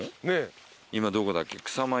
今どこだっけ？